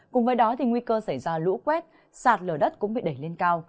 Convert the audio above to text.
cùng với đó nguy cơ xảy ra lũ quét sạt lở đất cũng bị đẩy lên cao